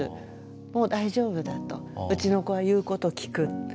もう大丈夫だとうちの子は言うことを聞く。